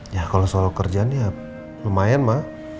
ya kalau soal kerjaan ya lumayan mah